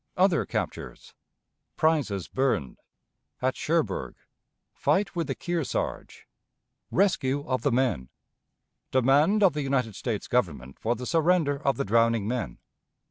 Other Captures. Prizes burned. At Cherbourg. Fight with the Kearsarge. Rescue of the Men. Demand of the United States Government for the Surrender of the Drowning Men.